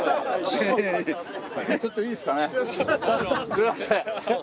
すいません。